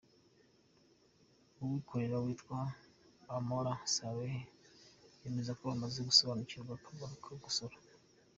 Uwikorera witwa Amora Saleh yemeza ko bamaze gusobanukirwa akamaro ko gusora.